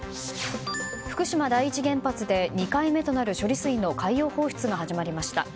福島第一原発で２回目となる処理水の海洋放出が始まりました。